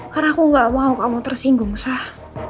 karena aku gak mau kamu tersinggung sah